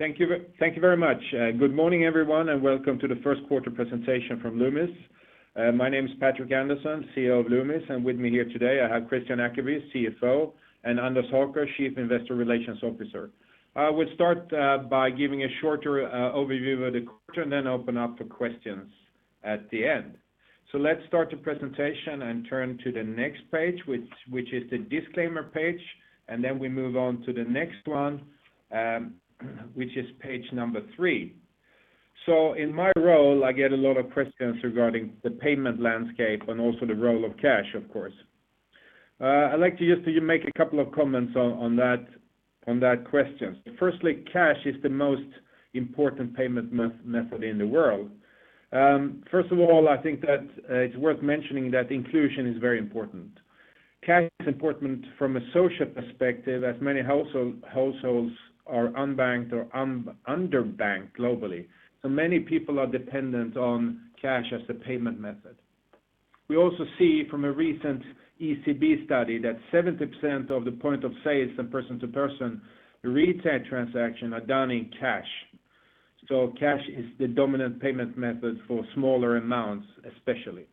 Thank you very much. Good morning, everyone, and welcome to the first quarter presentation from Loomis. My name is Patrik Andersson, CEO of Loomis, and with me here today I have Kristian Ackeby, CFO, and Anders Haker, Chief Investor Relations Officer. I will start by giving a shorter overview of the quarter and then open up for questions at the end. Let's start the presentation and turn to the next page, which is the disclaimer page, and then we move on to the next one, which is page number three. In my role, I get a lot of questions regarding the payment landscape and also the role of cash, of course. I'd like to just make a couple of comments on that question. Firstly, cash is the most important payment method in the world. First of all, I think that it's worth mentioning that inclusion is very important. Cash is important from a social perspective, as many households are unbanked or underbanked globally. Many people are dependent on cash as the payment method. We also see from a recent ECB study that 70% of the point of sales and person-to-person retail transactions are done in cash. Cash is the dominant payment method for smaller amounts, especially.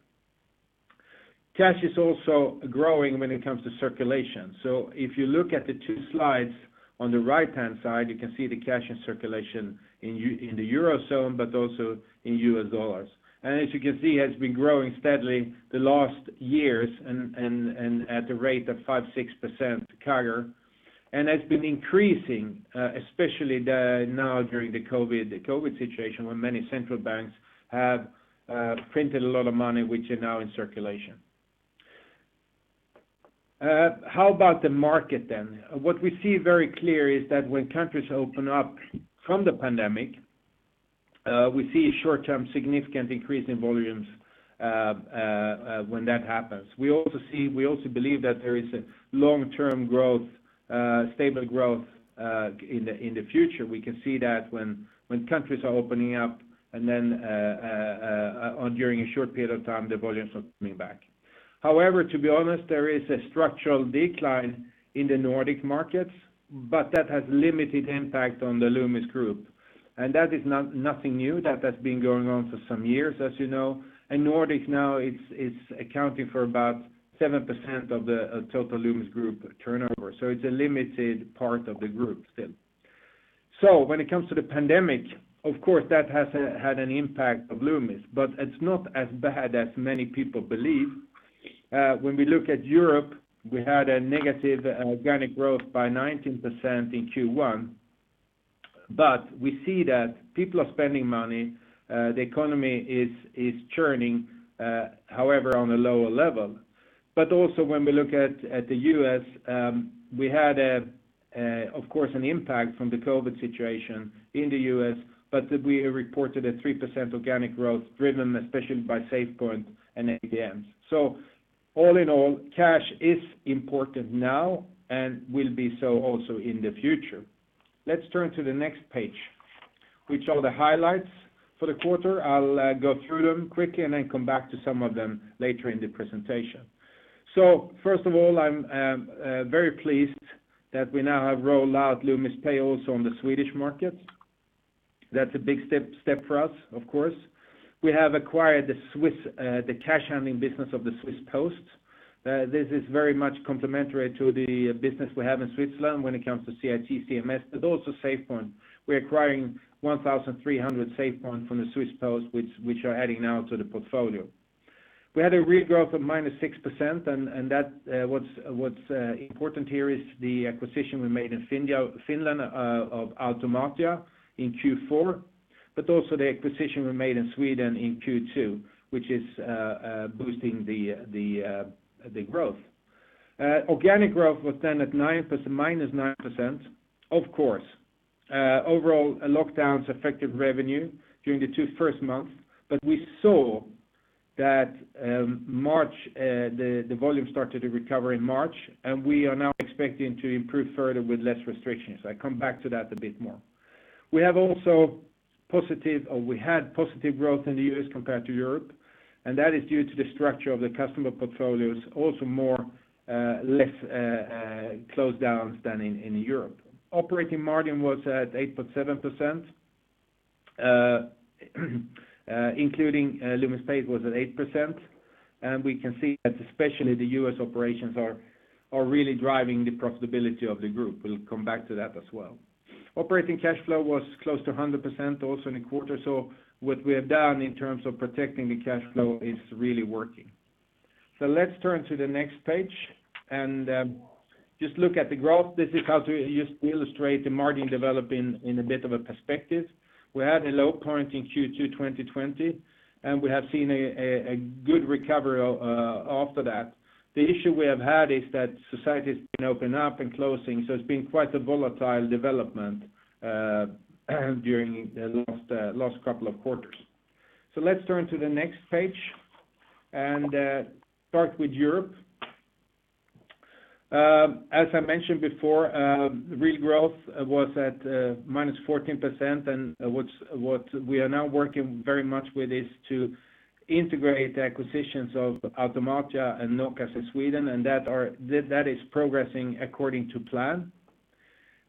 Cash is also growing when it comes to circulation. If you look at the two slides, on the right-hand side, you can see the cash in circulation in the Eurozone, but also in U.S. dollars. As you can see, has been growing steadily the last years and at the rate of 5%-6% CAGR and has been increasing, especially now during the COVID situation, when many central banks have printed a lot of money, which is now in circulation. How about the market then? What we see very clear is that when countries open up from the pandemic, we see a short-term significant increase in volumes when that happens. We also believe that there is long-term growth, stable growth, in the future. We can see that when countries are opening up and then during a short period of time, the volumes are coming back. However, to be honest, there is a structural decline in the Nordic markets, but that has limited impact on the Loomis group, and that is nothing new. That has been going on for some years, as you know. Nordic now is accounting for about 7% of the total Loomis group turnover. It's a limited part of the group still. When it comes to the pandemic, of course, that has had an impact on Loomis, but it's not as bad as many people believe. We look at Europe, we had a negative organic growth by 19% in Q1. We see that people are spending money. The economy is churning, however, on a lower level. Also when we look at the U.S., we had, of course, an impact from the COVID situation in the U.S., but we reported a 3% organic growth driven especially by SafePoint and ATM. All in all, cash is important now and will be so also in the future. Let's turn to the next page, which are the highlights for the quarter. I'll go through them quickly and then come back to some of them later in the presentation. First of all, I'm very pleased that we now have rolled out Loomis Pay also on the Swedish market. That's a big step for us, of course. We have acquired the cash handling business of the Swiss Post. This is very much complementary to the business we have in Switzerland when it comes to CIT, CMS, but also SafePoint. We are acquiring 1,300 SafePoint from the Swiss Post, which we are adding now to the portfolio. We had a real growth of -6%, and what's important here is the acquisition we made in Finland of Automatia in Q4, but also the acquisition we made in Sweden in Q2, which is boosting the growth. Organic growth was then at -9%. Of course, overall lockdowns affected revenue during the two first months, but we saw that the volume started to recover in March, and we are now expecting to improve further with less restrictions. I come back to that a bit more. We had positive growth in the U.S. compared to Europe, that is due to the structure of the customer portfolios. Also less closedowns than in Europe. Operating margin was at 8.7%, including Loomis Pay was at 8%. We can see that especially the U.S. operations are really driving the profitability of the group. We'll come back to that as well. Operating cash flow was close to 100% also in the quarter. What we have done in terms of protecting the cash flow is really working. Let's turn to the next page and just look at the growth. This is how to just illustrate the margin developing in a bit of a perspective. We had a low point in Q2 2020, we have seen a good recovery after that. The issue we have had is that societies have been opening up and closing, it's been quite a volatile development during the last couple of quarters. Let's turn to the next page and start with Europe. As I mentioned before, real growth was at -14%. What we are now working very much with is to integrate acquisitions of Automatia and Nokas in Sweden, that is progressing according to plan.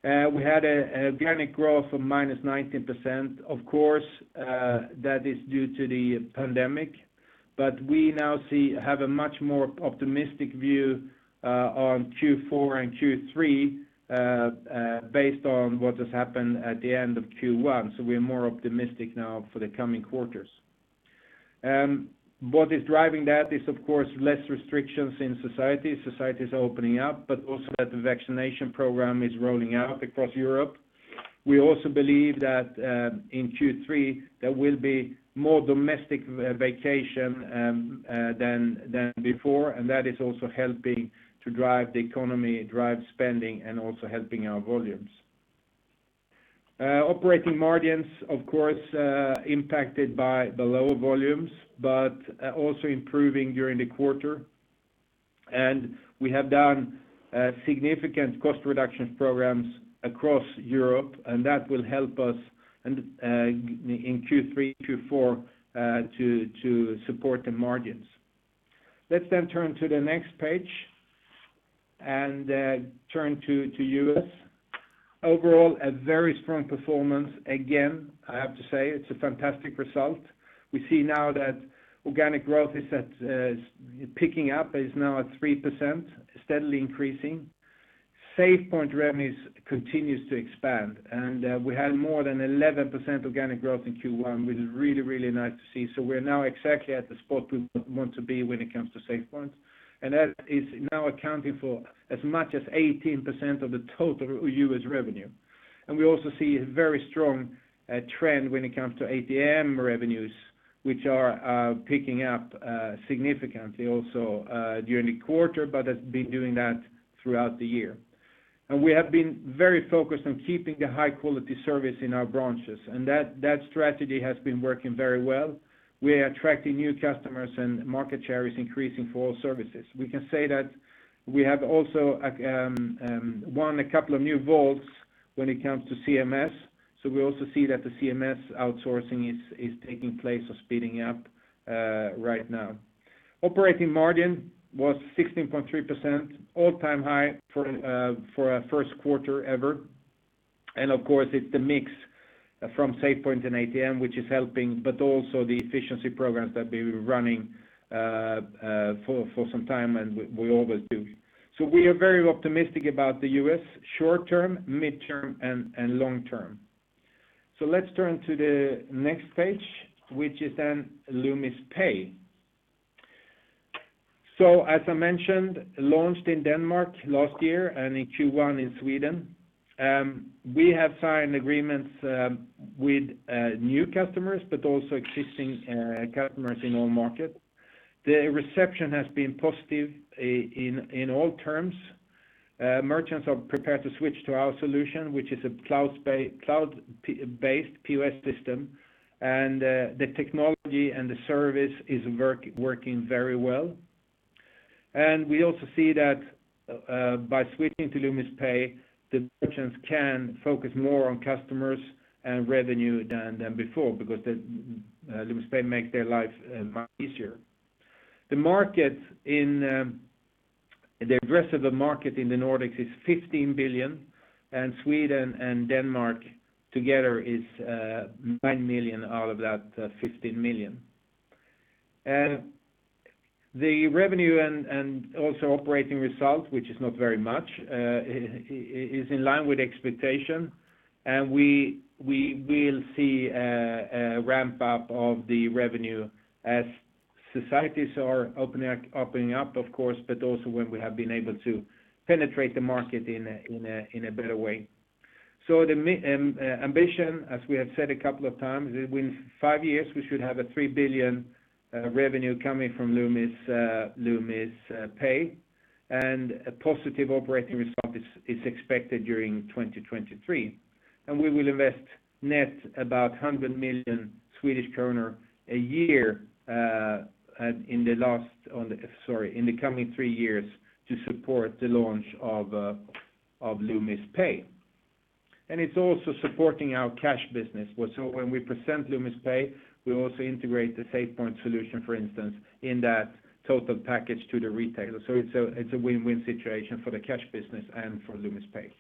We had organic growth of -19%. Of course, that is due to the pandemic. We now have a much more optimistic view on Q4 and Q3, based on what has happened at the end of Q1. We are more optimistic now for the coming quarters. What is driving that is, of course, less restrictions in society. Society is opening up, also that the vaccination program is rolling out across Europe. We also believe that in Q3, there will be more domestic vacation than before, and that is also helping to drive the economy, drive spending, and also helping our volumes. Operating margins, of course, impacted by the lower volumes, but also improving during the quarter. We have done significant cost reduction programs across Europe, and that will help us in Q3, Q4 to support the margins. Let's turn to the next page and turn to U.S. Overall, a very strong performance. Again, I have to say it's a fantastic result. We see now that organic growth is picking up, is now at 3%, steadily increasing. SafePoint revenues continues to expand, and we had more than 11% organic growth in Q1, which is really, really nice to see. We're now exactly at the spot we want to be when it comes to SafePoint, and that is now accounting for as much as 18% of the total U.S. revenue. We also see a very strong trend when it comes to ATM revenues, which are picking up significantly also during the quarter, but have been doing that throughout the year. We have been very focused on keeping the high quality service in our branches, and that strategy has been working very well. We are attracting new customers and market share is increasing for all services. We can say that we have also won a couple of new vaults when it comes to CMS. We also see that the CMS outsourcing is taking place or speeding up right now. Operating margin was 16.3%, all-time high for a first quarter ever. Of course, it's the mix from SafePoint and ATM, which is helping, but also the efficiency programs that we've been running for some time, and we always do. We are very optimistic about the U.S. short term, midterm, and long term. Let's turn to the next page, which is then Loomis Pay. As I mentioned, launched in Denmark last year and in Q1 in Sweden. We have signed agreements with new customers, but also existing customers in all markets. The reception has been positive in all terms. Merchants are prepared to switch to our solution, which is a cloud-based POS system, and the technology and the service is working very well. We also see that by switching to Loomis Pay, the merchants can focus more on customers and revenue than before because Loomis Pay makes their life much easier. The addressable market in the Nordics is 15 billion, and Sweden and Denmark together is 9 billion out of that 15 billion. The revenue and also operating results, which is not very much, is in line with expectation. We will see a ramp-up of the revenue as societies are opening up, of course, but also when we have been able to penetrate the market in a better way. The ambition, as we have said a couple of times, within five years, we should have a 3 billion revenue coming from Loomis Pay, and a positive operating result is expected during 2023. We will invest net about 100 million Swedish kronor a year in the coming three years to support the launch of Loomis Pay. It's also supporting our cash business. When we present Loomis Pay, we also integrate the SafePoint solution, for instance, in that total package to the retailer. It's a win-win situation for the cash business and for Loomis Pay.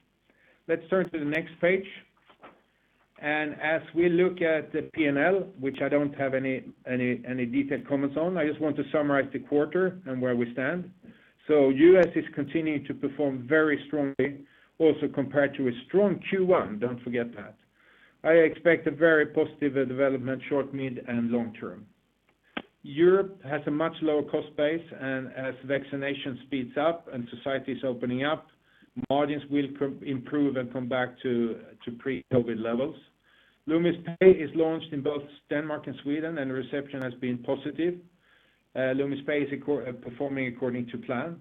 Let's turn to the next page. As we look at the P&L, which I don't have any detailed comments on, I just want to summarize the quarter and where we stand. U.S. is continuing to perform very strongly, also compared to a strong Q1. Don't forget that. I expect a very positive development short, mid, and long term. Europe has a much lower cost base, and as vaccination speeds up and society is opening up, margins will improve and come back to pre-COVID levels. Loomis Pay is launched in both Denmark and Sweden, and the reception has been positive. Loomis Pay is performing according to plan.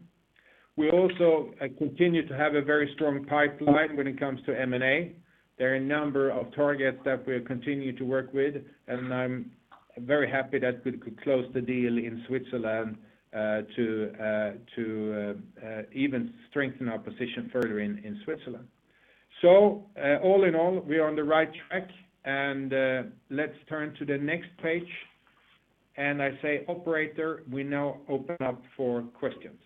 We also continue to have a very strong pipeline when it comes to M&A. There are a number of targets that we continue to work with, and I'm very happy that we could close the deal in Switzerland to even strengthen our position further in Switzerland. All in all, we are on the right track, and let's turn to the next page. I say, operator, we now open up for questions.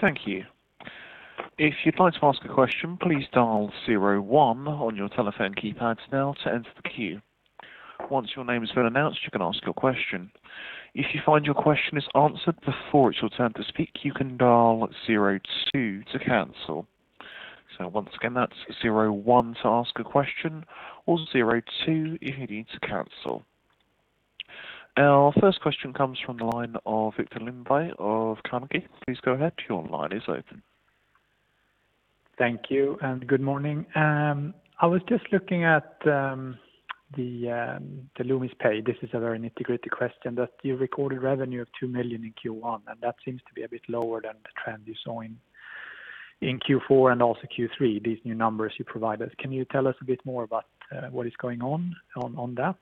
Thank you. If you would like to ask a question, please dail zero one on your telephone keypad now to enter the queue. Once your name has been announced, you can ask your question if you find your question is answered before it's your turn to speak, you can dail zero two to cancel. So, once again, that's zero one to ask a question or zero two if you need to cancel. Our first question comes from the line of Viktor Lindeberg of Carnegie. Please go ahead. Your line is open. Thank you, and good morning. I was just looking at the Loomis Pay. This is a very nitty-gritty question that you recorded revenue of 2 million in Q1, and that seems to be a bit lower than the trend you saw in Q4 and also Q3, these new numbers you provide us. Can you tell us a bit more about what is going on that?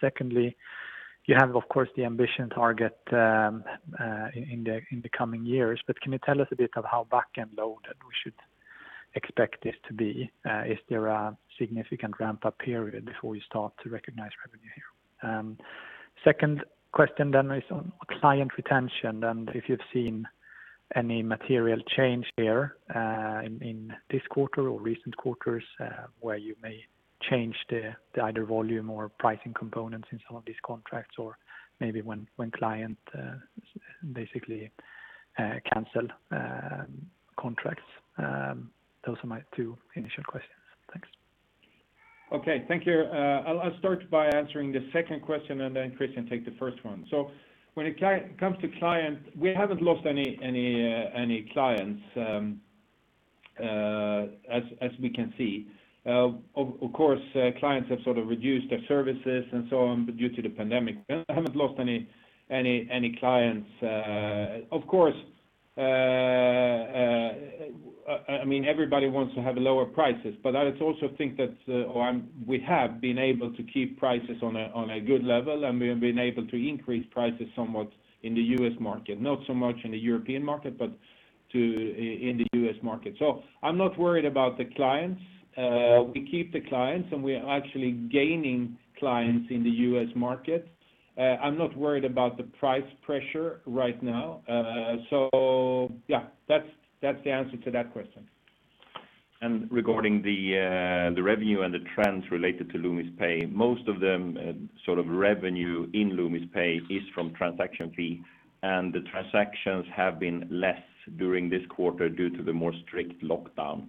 Secondly, you have, of course, the ambition target in the coming years. Can you tell us a bit of how back-end loaded we should expect this to be? Is there a significant ramp-up period before you start to recognize revenue here? Second question is on client retention and if you've seen any material change there in this quarter or recent quarters, where you may change the either volume or pricing components in some of these contracts, or maybe when client basically cancel contracts. Those are my two initial questions. Thanks. Okay. Thank you. I'll start by answering the second question and Kristian take the first one. When it comes to client, we haven't lost any clients, as we can see. Of course, clients have sort of reduced their services and so on, but due to the pandemic, we haven't lost any clients. Of course, everybody wants to have lower prices, but I also think that we have been able to keep prices on a good level, and we have been able to increase prices somewhat in the U.S. market. Not so much in the European market, but in the U.S. market. I'm not worried about the clients. We keep the clients, and we are actually gaining clients in the U.S. market. I'm not worried about the price pressure right now. Yeah, that's the answer to that question. Regarding the revenue and the trends related to Loomis Pay, most of them sort of revenue in Loomis Pay is from transaction fee, and the transactions have been less during this quarter due to the more strict lockdown.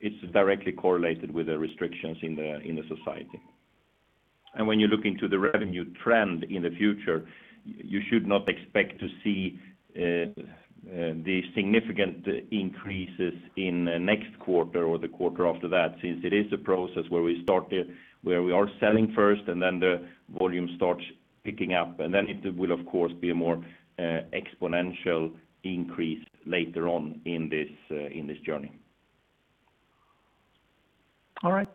It's directly correlated with the restrictions in the society. When you look into the revenue trend in the future, you should not expect to see the significant increases in next quarter or the quarter after that, since it is a process where we are selling first, and then the volume starts picking up, and then it will, of course, be a more exponential increase later on in this journey. All right.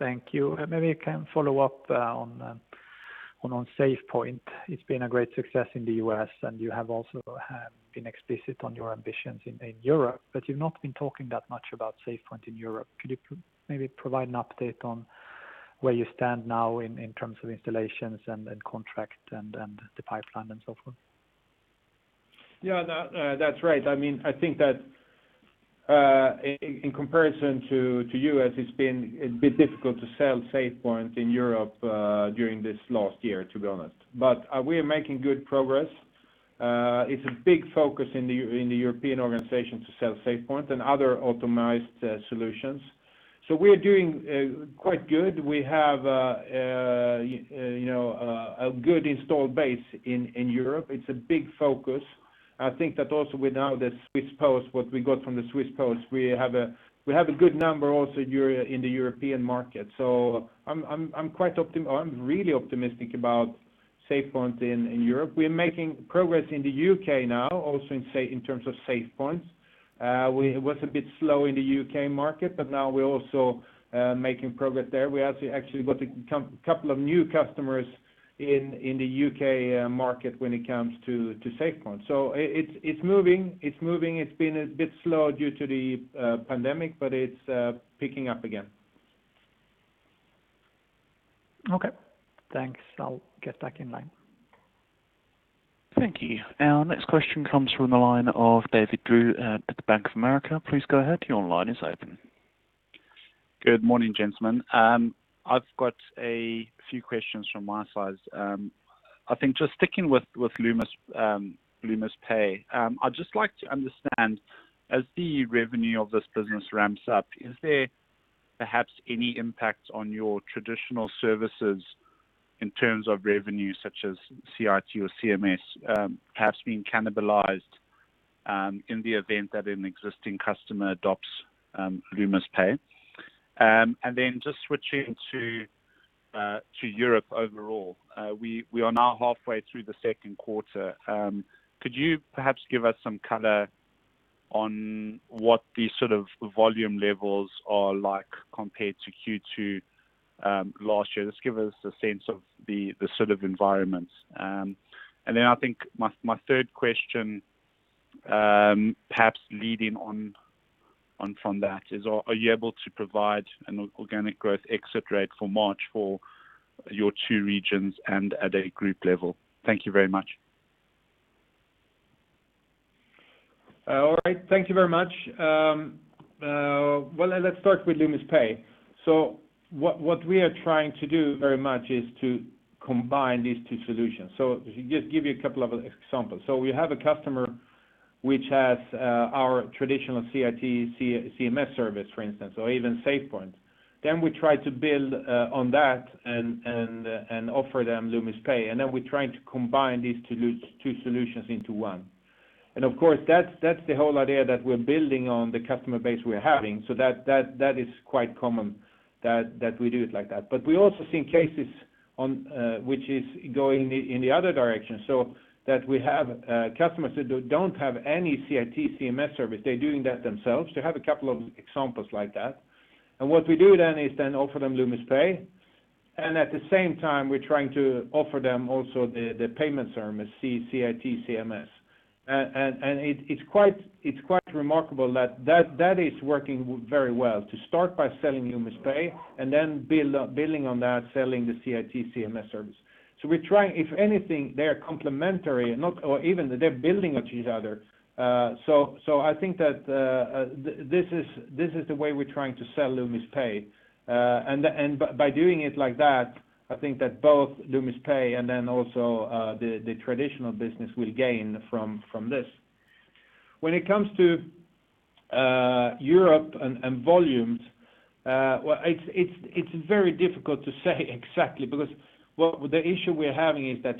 Thank you. Maybe I can follow up on SafePoint. It's been a great success in the U.S. You have also been explicit on your ambitions in Europe, you've not been talking that much about SafePoint in Europe. Could you maybe provide an update on where you stand now in terms of installations and contract and the pipeline and so forth? That's right. I think that in comparison to U.S., it's been a bit difficult to sell SafePoint in Europe during this last year, to be honest. We are making good progress. It's a big focus in the European organization to sell SafePoint and other automized solutions. We are doing quite good. We have a good install base in Europe. It's a big focus. I think that also with now what we got from the Swiss Post, we have a good number also in the European market. I'm really optimistic about SafePoint in Europe. We are making progress in the U.K. now, also in terms of SafePoints. It was a bit slow in the U.K. market, but now we're also making progress there. We actually got a couple of new customers in the U.K. market when it comes to SafePoint. It's moving. It's been a bit slow due to the pandemic, but it's picking up again. Okay. Thanks. I'll get back in line. Thank you. Our next question comes from the line of David Drew at the Bank of America. Please go ahead. Your line is open. Good morning, gentlemen. I've got a few questions from my side. I think just sticking with Loomis Pay, I'd just like to understand, as the revenue of this business ramps up, is there perhaps any impact on your traditional services in terms of revenue, such as CIT or CMS perhaps being cannibalized in the event that an existing customer adopts Loomis Pay? Just switching to Europe overall, we are now halfway through the second quarter. Could you perhaps give us some color on what the sort of volume levels are like compared to Q2 last year? Just give us a sense of the sort of environment. I think my third question perhaps leading on from that, are you able to provide an organic growth exit rate for March for your two regions and at a group level? Thank you very much. All right. Thank you very much. Well, let's start with Loomis Pay. What we are trying to do very much is to combine these two solutions. Just give you a couple of examples. We have a customer which has our traditional CIT CMS service, for instance, or even SafePoint. We try to build on that and offer them Loomis Pay. We're trying to combine these two solutions into one. Of course, that's the whole idea that we're building on the customer base we're having. That is quite common that we do it like that. We also see cases which is going in the other direction, that we have customers that don't have any CIT CMS service. They're doing that themselves. They have a couple of examples like that. What we do then is then offer them Loomis Pay, and at the same time, we're trying to offer them also the payment service, CIT CMS. It's quite remarkable that that is working very well to start by selling Loomis Pay and then building on that, selling the CIT CMS service. We're trying, if anything, they are complementary or even they're building on each other. I think that this is the way we're trying to sell Loomis Pay. By doing it like that, I think that both Loomis Pay and then also the traditional business will gain from this. When it comes to Europe and volumes, well, it's very difficult to say exactly because, well, the issue we're having is that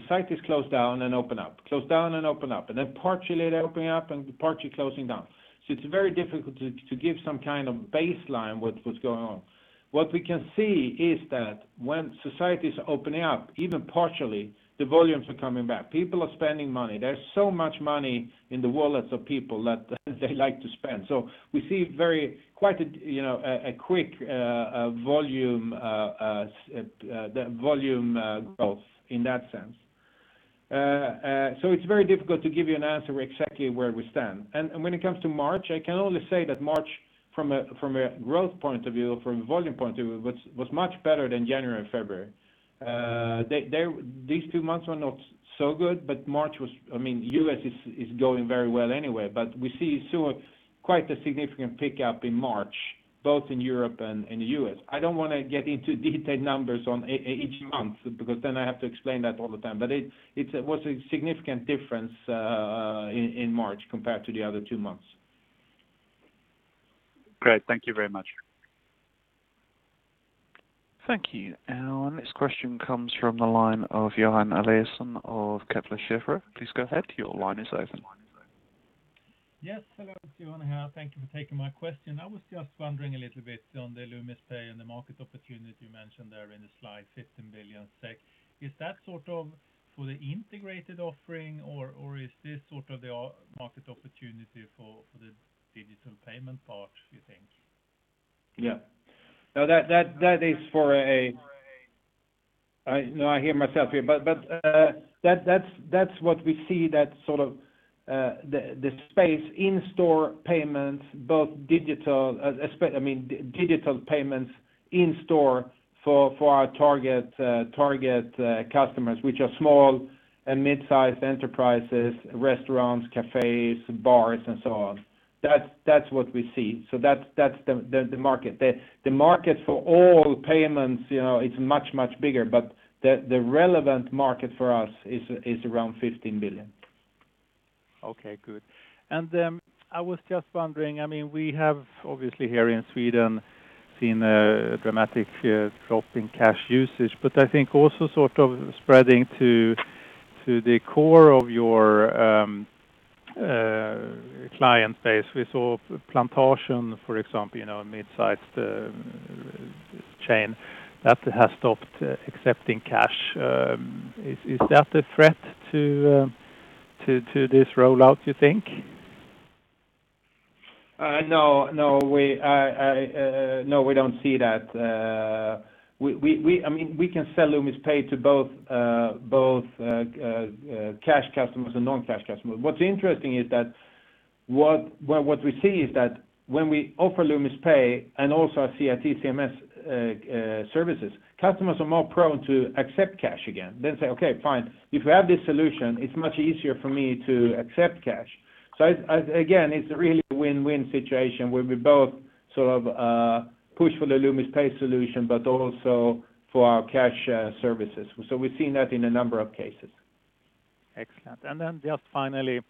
societies close down and open up, close down and open up, and then partially they're opening up and partially closing down. It's very difficult to give some kind of baseline what's going on. What we can see is that when societies are opening up, even partially, the volumes are coming back. People are spending money. There's so much money in the wallets of people that they like to spend. We see quite a quick volume growth in that sense. It's very difficult to give you an answer exactly where we stand. When it comes to March, I can only say that March from a growth point of view, from a volume point of view, was much better than January and February. These two months were not so good, but March was, U.S. is going very well anyway. We see quite a significant pickup in March, both in Europe and the U.S. I don't want to get into detailed numbers on each month, because then I have to explain that all the time. It was a significant difference in March compared to the other two months. Great. Thank you very much. Thank you. Our next question comes from the line of Johan Eliason of Kepler Cheuvreux. Please go ahead. Your line is open. Yes. Hello, Johan here. Thank you for taking my question. I was just wondering a little bit on the Loomis Pay and the market opportunity you mentioned there in the slide, 15 billion SEK. Is that sort of for the integrated offering or is this sort of the market opportunity for the digital payment part, you think? Yeah. No, I hear myself here, but that's what we see that sort of the space in-store payments, both digital payments in store for our target customers, which are small and mid-sized enterprises, restaurants, cafes, bars and so on. That's what we see. That's the market. The market for all payments, it's much, much bigger. The relevant market for us is around 15 billion. Okay, good. I was just wondering, we have obviously here in Sweden seen a dramatic drop in cash usage, but I think also sort of spreading to the core of your client base. We saw Plantagen, for example, a mid-sized chain that has stopped accepting cash. Is that a threat to this rollout, you think? No, we don't see that. We can sell Loomis Pay to both cash customers and non-cash customers. What's interesting is that what we see is that when we offer Loomis Pay and also our CIT CMS services, customers are more prone to accept cash again. They'll say, "Okay, fine. If you have this solution, it's much easier for me to accept cash." Again, it's really a win-win situation where we both sort of push for the Loomis Pay solution, but also for our cash services. We've seen that in a number of cases. Excellent. Just finally,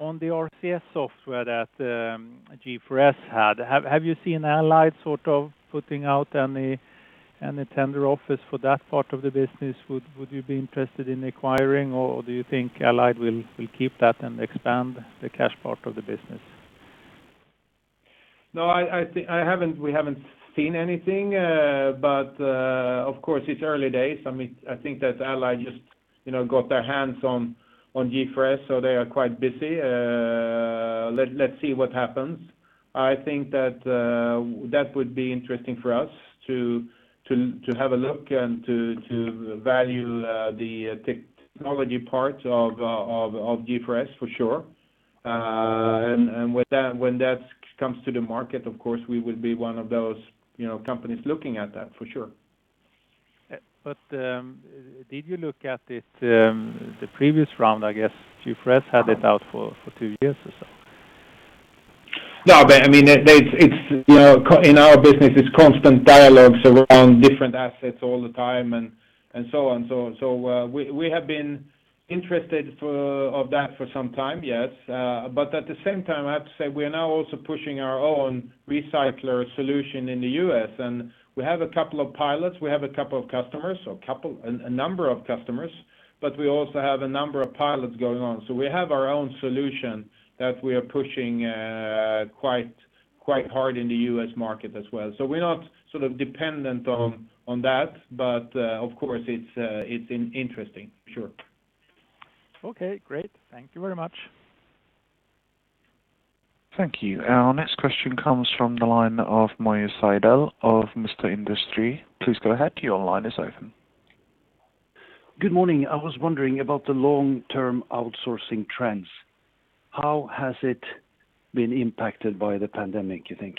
on the RCS software that G4S had, have you seen Allied sort of putting out any tender offers for that part of the business? Would you be interested in acquiring, or do you think Allied will keep that and expand the cash part of the business? We haven't seen anything. Of course, it's early days. I think that Allied just got their hands on G4S, they are quite busy. Let's see what happens. I think that would be interesting for us to have a look and to value the technology part of G4S, for sure. When that comes to the market, of course, we will be one of those companies looking at that, for sure. Did you look at this the previous round? I guess G4S had it out for two years or so. No, in our business, it's constant dialogues around different assets all the time and so on. We have been interested of that for some time, yes. At the same time, I have to say, we are now also pushing our own recycler solution in the U.S. and we have a couple of pilots. We have a couple of customers, a number of customers, but we also have a number of pilots going on. We have our own solution that we are pushing quite hard in the U.S. market as well. We're not dependent on that. Of course, it's interesting, sure. Okay, great. Thank you very much. Thank you. Our next question comes from the line of (Malte Sidel) of (Mr. Industry). Please go ahead. Your line is open. Good morning. I was wondering about the long-term outsourcing trends. How has it been impacted by the pandemic, you think?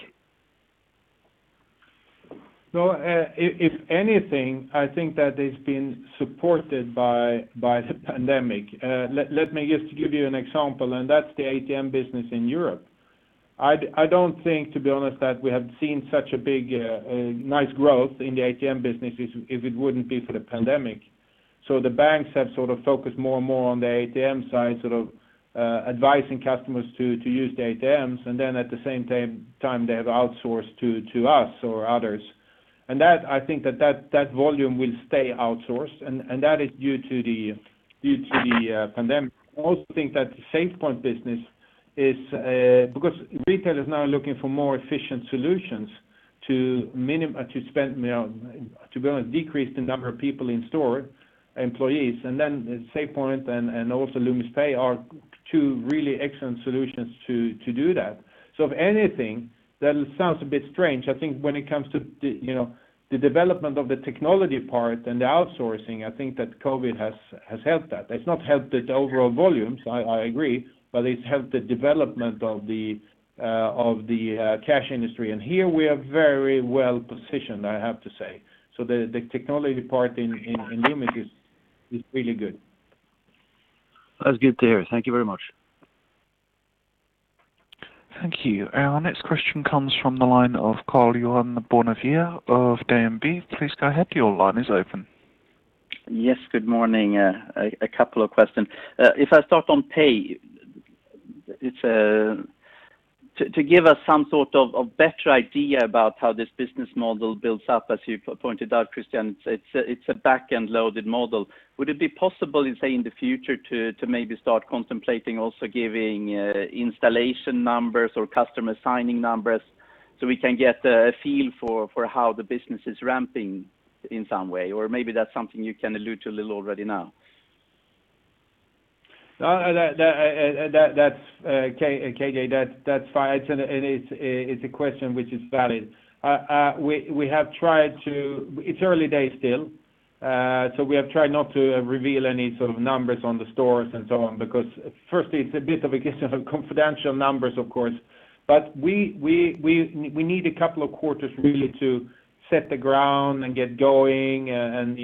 If anything, I think that it's been supported by the pandemic. Let me just give you an example, and that's the ATM business in Europe. I don't think, to be honest, that we have seen such a big, nice growth in the ATM business if it wouldn't be for the pandemic. The banks have focused more and more on the ATM side, advising customers to use the ATMs, and then at the same time, they have outsourced to us or others. That, I think that volume will stay outsourced, and that is due to the pandemic. I also think that the SafePoint business is, because retail is now looking for more efficient solutions to be able to decrease the number of people in store, employees, and then SafePoint and also Loomis Pay are two really excellent solutions to do that. If anything, that sounds a bit strange. I think when it comes to the development of the technology part and the outsourcing, I think that COVID has helped that. It's not helped the overall volumes, I agree, but it's helped the development of the cash industry. Here, we are very well-positioned, I have to say. The technology part in Loomis is really good. That's good to hear. Thank you very much. Thank you. Our next question comes from the line of Karl-Johan Bonnevier of DNB. Please go ahead. Your line is open. Yes, good morning. A couple of questions. If I start on Pay, to give us some sort of better idea about how this business model builds up, as you pointed out, Kristian, it's a back-end-loaded model. Would it be possible, say, in the future, to maybe start contemplating also giving installation numbers or customer signing numbers so we can get a feel for how the business is ramping in some way? Maybe that's something you can allude to a little already now? That's okay, K.J. That's fine. It's a question which is valid. It's early days still, so we have tried not to reveal any sort of numbers on the stores and so on, because firstly, it's a bit of a case of confidential numbers, of course. We need a couple of quarters really to set the ground and get going and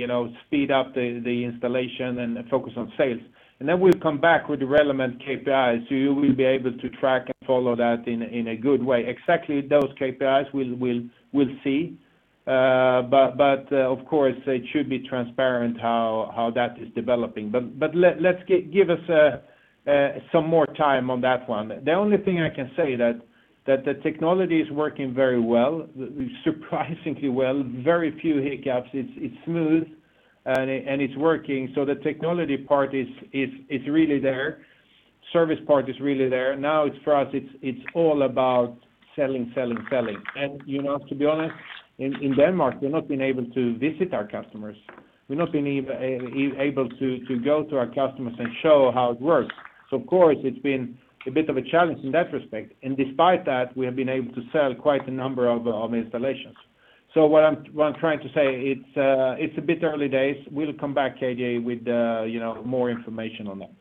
speed up the installation and focus on sales. We'll come back with the relevant KPIs, so you will be able to track and follow that in a good way. Exactly those KPIs, we'll see. Of course, it should be transparent how that is developing. Let's give us some more time on that one. The only thing I can say that the technology is working very well, surprisingly well, very few hiccups. It's smooth, and it's working. The technology part is really there. Service part is really there. For us, it's all about selling. To be honest, in Denmark, we've not been able to visit our customers. We've not been able to go to our customers and show how it works. Of course, it's been a bit of a challenge in that respect. Despite that, we have been able to sell quite a number of installations. What I'm trying to say, it's a bit early days. We'll come back, K.J., with more information on that.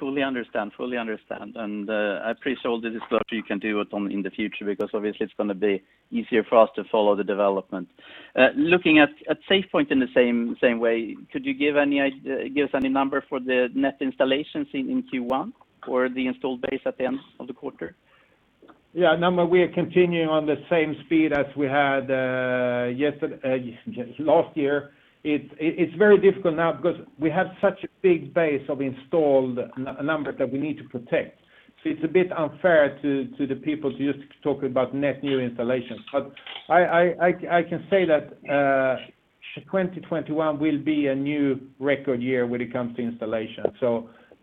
Fully understand. I appreciate all the disclosure you can do in the future, because obviously it's going to be easier for us to follow the development. Looking at SafePoint in the same way, could you give us any number for the net installations in Q1 or the installed base at the end of the quarter? Yeah, no, we are continuing on the same speed as we had last year. It's very difficult now because we have such a big base of installed numbers that we need to protect. So it's a bit unfair to the people to just talk about net new installations. But I can say that 2021 will be a new record year when it comes to installation.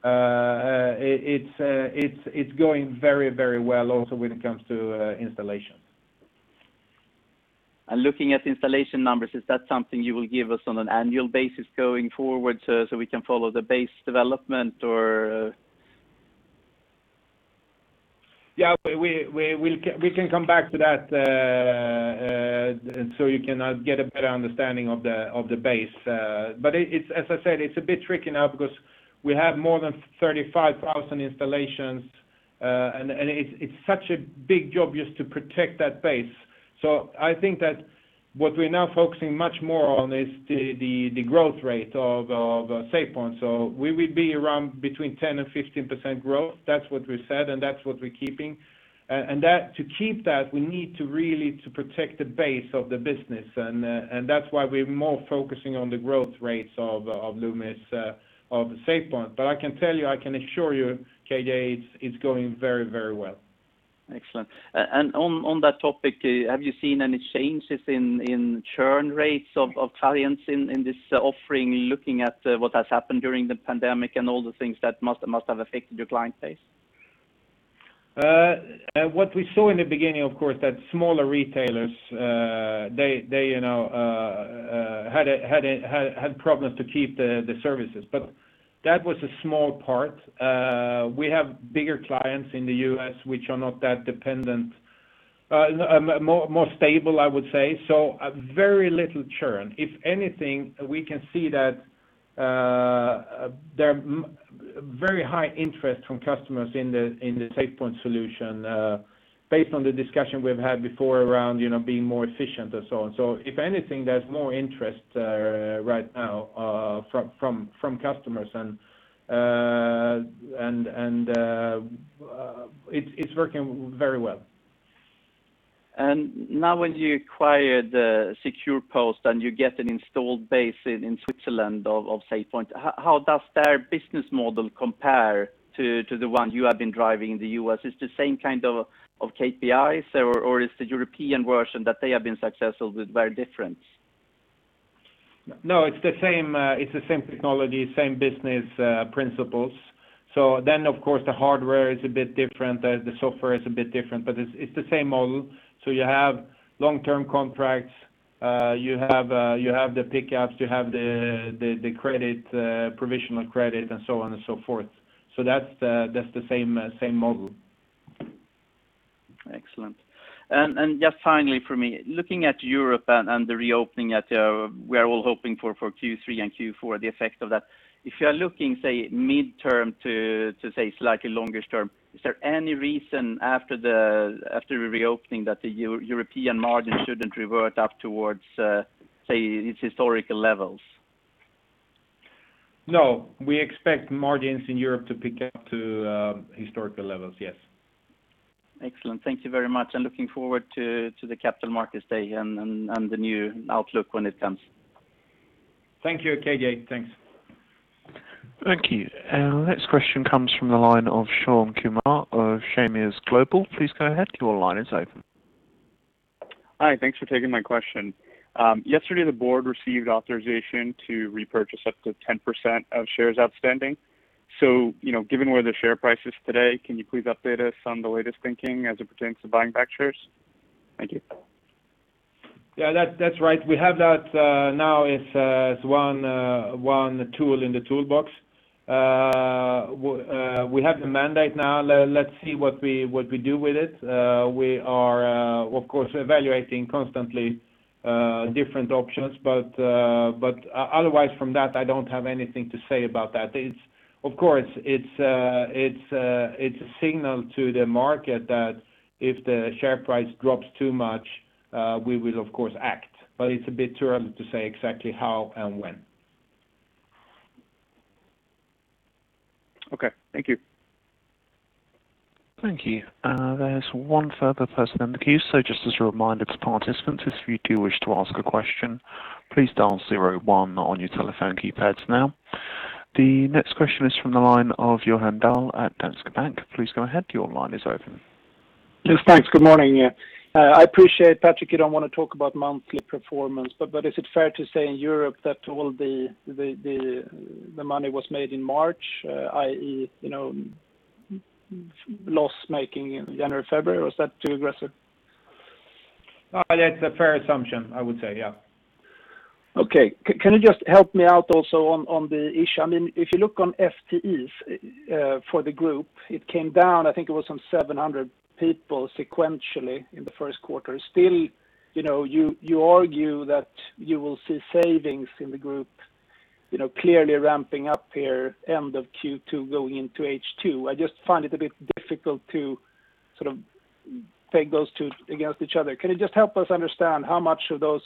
So it's going very well also when it comes to installation. Looking at installation numbers, is that something you will give us on an annual basis going forward so we can follow the base development, or? Yeah, we can come back to that so you can get a better understanding of the base. As I said, it's a bit tricky now because we have more than 35,000 installations. It's such a big job just to protect that base. I think that what we're now focusing much more on is the growth rate of SafePoint. We will be around between 10% and 15% growth. That's what we said, and that's what we're keeping. To keep that, we need to really protect the base of the business. That's why we're more focusing on the growth rates of Loomis, of SafePoint. I can tell you, I can assure you, K.J., it's going very well. Excellent. On that topic, have you seen any changes in churn rates of clients in this offering, looking at what has happened during the pandemic and all the things that must have affected your client base? What we saw in the beginning, of course, that smaller retailers had problems to keep the services. That was a small part. We have bigger clients in the U.S. which are not that dependent. More stable, I would say. Very little churn. If anything, we can see that there are very high interest from customers in the SafePoint solution based on the discussion we've had before around being more efficient and so on. If anything, there's more interest right now from customers and it's working very well. Now when you acquire the SecurePost and you get an installed base in Switzerland of SafePoint, how does their business model compare to the one you have been driving in the U.S.? It's the same kind of KPIs or is the European version that they have been successful with very different? No, it's the same technology, same business principles. Of course the hardware is a bit different, the software is a bit different, but it's the same model. You have long-term contracts, you have the pickups, you have the provisional credit, and so on and so forth. That's the same model. Excellent. Just finally from me, looking at Europe and the reopening that we are all hoping for Q3 and Q4, the effect of that, if you are looking, say midterm to, say slightly longer term, is there any reason after the reopening that the European margin shouldn't revert up towards, say its historical levels? No, we expect margins in Europe to pick up to historical levels, yes. Excellent, thank you very much, and looking forward to the Capital Markets Day and the new outlook when it comes. Thank you, K.J. Thanks. Thank you. Our next question comes from the line of (Shamir Popat) of (Shamir Capital). Please go ahead. Your line is open. Hi, thanks for taking my question. Yesterday, the board received authorization to repurchase up to 10% of shares outstanding. Given where the share price is today, can you please update us on the latest thinking as it pertains to buying back shares? Thank you. Yeah, that's right. We have that now as one tool in the toolbox. We have the mandate now, let's see what we do with it. We are of course, evaluating constantly different options. Otherwise from that, I don't have anything to say about that. Of course, it's a signal to the market that if the share price drops too much, we will of course act. It's a bit too early to say exactly how and when. Okay. Thank you. Thank you. There's one further person in the queue. Just as a reminder to participants, if you do wish to ask a question, please dial zero one on your telephone keypads now. The next question is from the line of Johan Dahl at Danske Bank. Please go ahead. Your line is open. Yes, thanks. Good morning. I appreciate, Patrik, you don't want to talk about monthly performance, but is it fair to say in Europe that all the money was made in March, i.e., loss-making in January, February, or is that too aggressive? That's a fair assumption, I would say, yeah. Okay. Can you just help me out also on the issue? If you look on FTEs for the group, it came down, I think it was some 700 people sequentially in the first quarter. Still, you argue that you will see savings in the group clearly ramping up here end of Q2 going into H2. I just find it a bit difficult to sort of peg those two against each other. Can you just help us understand how much of those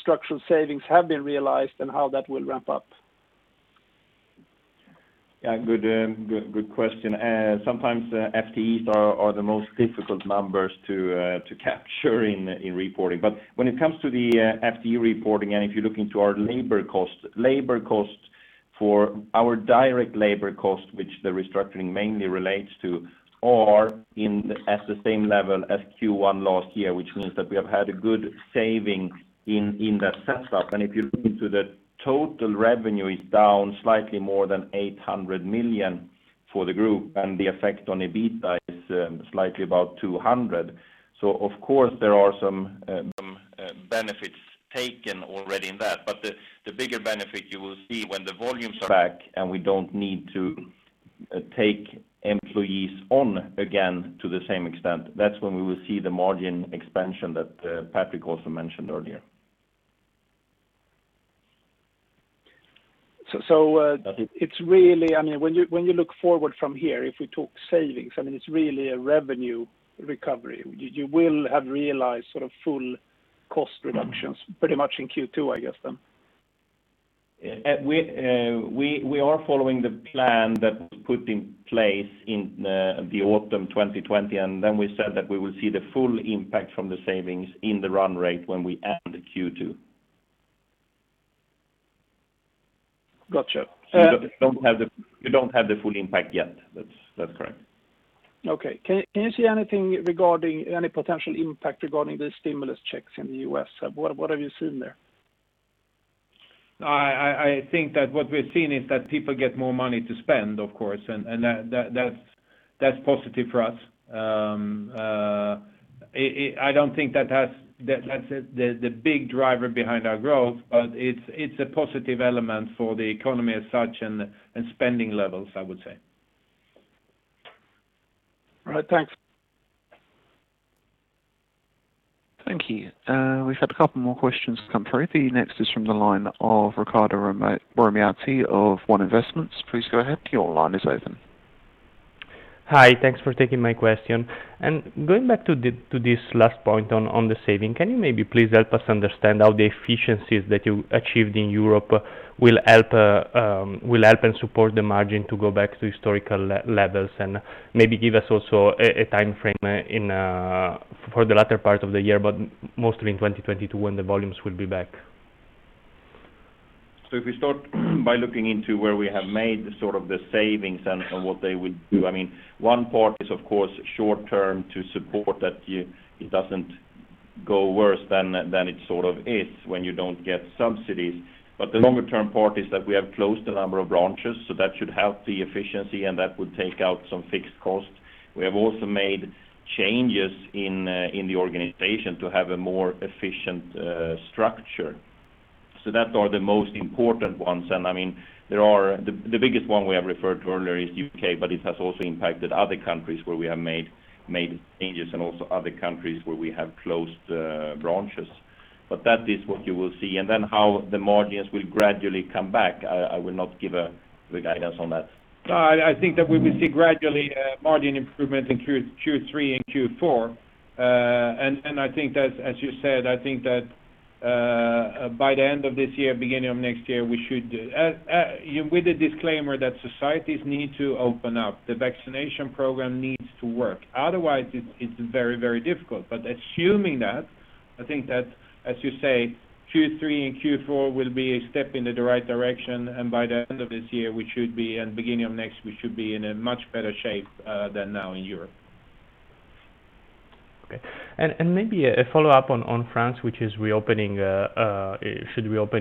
structural savings have been realized and how that will ramp up? Yeah, good question. Sometimes FTEs are the most difficult numbers to capture in reporting. When it comes to the FTE reporting, and if you look into our labor costs, for our direct labor costs, which the restructuring mainly relates to, are at the same level as Q1 last year, which means that we have had a good saving in that setup. If you look into the total revenue is down slightly more than 800 million for the group, the effect on EBITDA is slightly about 200 million. Of course, there are some benefits taken already in that. The bigger benefit you will see when the volumes are back and we don't need to take employees on again to the same extent. That's when we will see the margin expansion that Patrik also mentioned earlier. It's really, when you look forward from here, if we talk savings, it's really a revenue recovery. You will have realized sort of full cost reductions pretty much in Q2, I guess, then? We are following the plan that was put in place in the autumn 2020. We said that we will see the full impact from the savings in the run rate when we end Q2. Got you. We don't have the full impact yet. That's correct. Okay. Can you see any potential impact regarding the stimulus checks in the U.S.? What have you seen there? I think that what we're seeing is that people get more money to spend, of course, and that's positive for us. I don't think that's the big driver behind our growth, but it's a positive element for the economy as such and spending levels, I would say. All right. Thanks. Thank you. We've had a couple more questions come through. The next is from the line of Riccardo RomIati of One Investments. Please go ahead. Your line is open. Hi. Thanks for taking my question. Going back to this last point on the saving, can you maybe please help us understand how the efficiencies that you achieved in Europe will help and support the margin to go back to historical levels? Maybe give us also a timeframe for the latter part of the year, but mostly in 2022, when the volumes will be back. If we start by looking into where we have made the sort of the savings and what they would do. One part is of course short-term to support that it doesn't go worse than it sort of is when you don't get subsidies. The longer-term part is that we have closed a number of branches, so that should help the efficiency, and that would take out some fixed costs. We have also made changes in the organization to have a more efficient structure. That are the most important ones. The biggest one we have referred to earlier is U.K., but it has also impacted other countries where we have made changes and also other countries where we have closed branches. That is what you will see. How the margins will gradually come back, I will not give the guidance on that. I think that we will see gradually margin improvements in Q3 and Q4. I think that, as you said, I think that by the end of this year, beginning of next year, we should do. With the disclaimer that societies need to open up, the vaccination program needs to work. Otherwise it's very difficult. Assuming that, I think that, as you say, Q3 and Q4 will be a step in the right direction, and by the end of this year, we should be, and beginning of next, we should be in a much better shape than now in Europe. Okay. Maybe a follow-up on France, which should reopen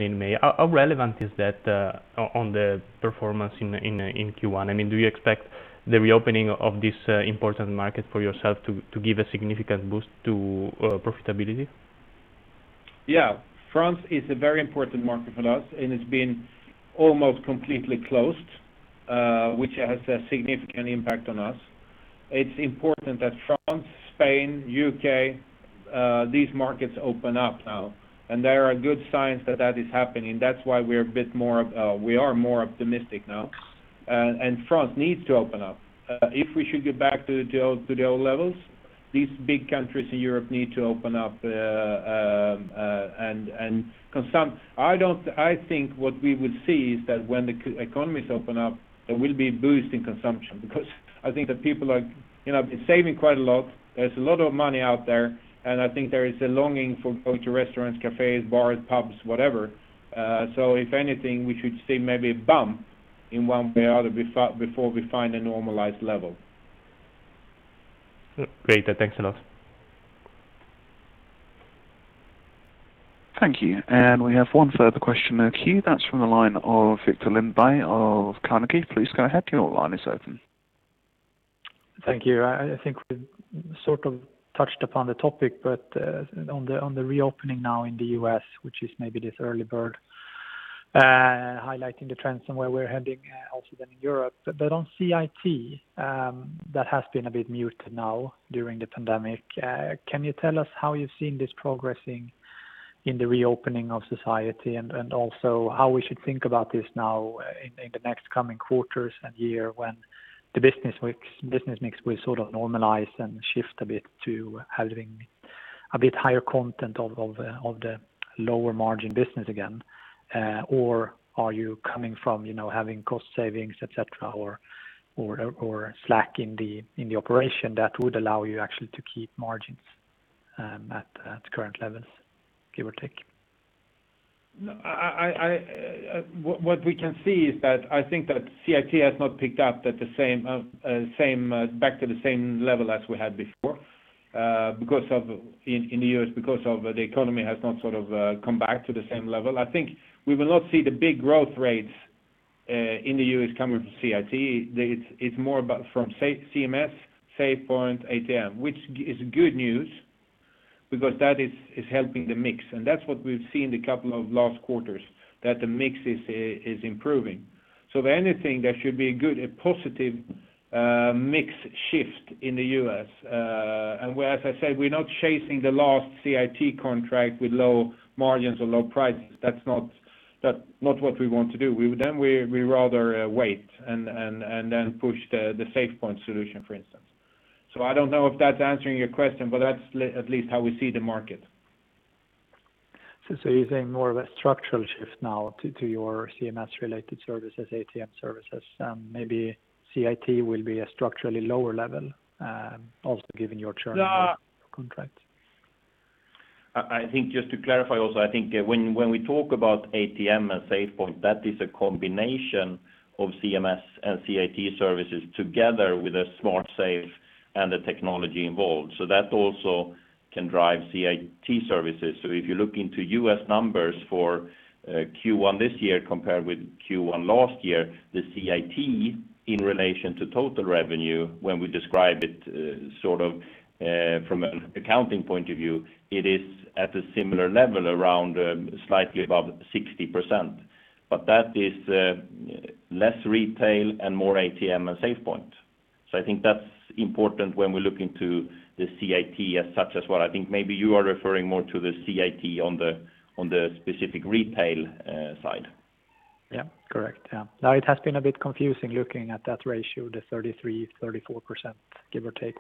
in May. How relevant is that on the performance in Q1? Do you expect the reopening of this important market for yourself to give a significant boost to profitability? France is a very important market for us, and it's been almost completely closed, which has a significant impact on us. It's important that France, Spain, U.K., these markets open up now, and there are good signs that that is happening. That's why we are more optimistic now. France needs to open up. If we should get back to the old levels, these big countries in Europe need to open up. I think what we will see is that when the economies open up, there will be a boost in consumption because I think the people are saving quite a lot. There's a lot of money out there. I think there is a longing for going to restaurants, cafes, bars, pubs, whatever. If anything, we should see maybe a bump in one way or other before we find a normalized level. Great. Thanks a lot. Thank you. We have one further question in queue. That's from the line of Viktor Lindeberg of Carnegie. Please go ahead. Your line is open. Thank you. I think we've sort of touched upon the topic, on the reopening now in the U.S., which is maybe this early bird, highlighting the trends and where we're heading also in Europe. On CIT, that has been a bit mute now during the pandemic. Can you tell us how you've seen this progressing in the reopening of society? Also how we should think about this now in the next coming quarters and year when the business mix will sort of normalize and shift a bit to having a bit higher content of the lower margin business again? Are you coming from having cost savings, et cetera, or slack in the operation that would allow you actually to keep margins at current levels, give or take? What we can see is that I think that CIT has not picked up back to the same level as we had before in the U.S. because the economy has not sort of come back to the same level. I think we will not see the big growth rates in the U.S. coming from CIT. It's more about from CMS, SafePoint, ATM, which is good news because that is helping the mix. That's what we've seen in the couple of last quarters, that the mix is improving. If anything, there should be a good and positive mix shift in the U.S. As I said, we're not chasing the last CIT contract with low margins or low prices. That's not what we want to do. We rather wait and then push the SafePoint solution, for instance. I don't know if that's answering your question, but that's at least how we see the market. You're saying more of a structural shift now to your CMS related services, ATM services, maybe CIT will be a structurally lower level, also given your churn. Yeah contract. I think just to clarify also, I think when we talk about ATM and SafePoint, that is a combination of CMS and CIT services together with a smart safe and the technology involved. That also can drive CIT services. If you look into U.S. numbers for Q1 this year compared with Q1 last year, the CIT in relation to total revenue, when we describe it from an accounting point of view, it is at a similar level around slightly above 60%, but that is less retail and more ATM and SafePoint. I think that's important when we look into the CIT as such as what I think maybe you are referring more to the CIT on the specific retail side. Yeah. Correct. Now it has been a bit confusing looking at that ratio, the 33%, 34%, give or take.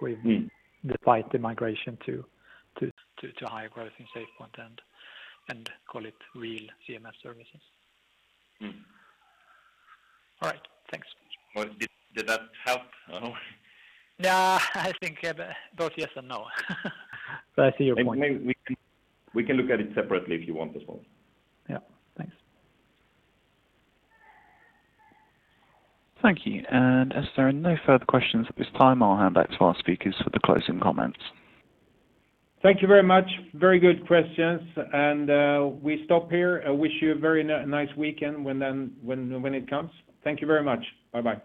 despite the migration to higher growth in SafePoint and call it real CMS services. All right. Thanks. Well, did that help at all? I think both yes and no. I see your point. We can look at it separately if you want as well. Yeah, thanks. Thank you. As there are no further questions at this time, I'll hand back to our speakers for the closing comments. Thank you very much. Very good questions, and we stop here. I wish you a very nice weekend when it comes. Thank you very much. Bye-bye.